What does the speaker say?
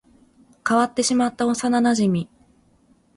変わってしまった幼馴染